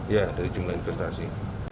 ya dari jumlah investasi